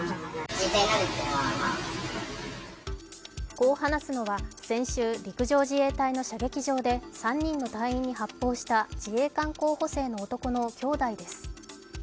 こう話すのは先週陸上自衛隊の射撃場で３人の隊員に発砲した自衛官候補生の男の兄弟です。